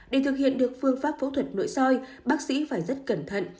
để thực hiện được phương pháp phẫu thuật nội soi bác sĩ phải rất cẩn thận